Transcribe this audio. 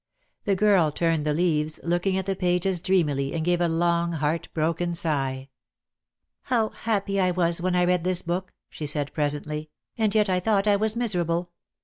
. The girl turned the leaves, looking at the pages dreamily, and gave a long heart broken sigh. "How happy I was when I read this book," she said presently, "and yet I thought I was miserable.